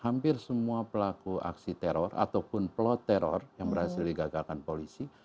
hampir semua pelaku aksi teror ataupun plot teror yang berhasil digagalkan polisi